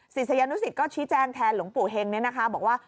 ศิษยานุสิตก็ชี้แจ้งแทนหลวงปู่เฮงเนี่ยนะคะบอกว่า